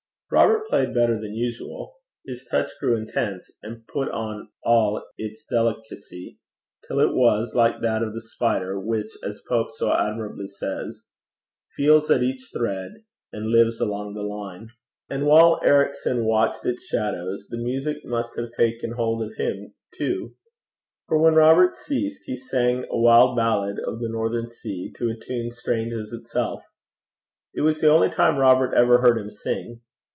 Robert played better than usual. His touch grew intense, and put on all its delicacy, till it was like that of the spider, which, as Pope so admirably says, Feels at each thread, and lives along the line. And while Ericson watched its shadows, the music must have taken hold of him too; for when Robert ceased, he sang a wild ballad of the northern sea, to a tune strange as itself. It was the only time Robert ever heard him sing.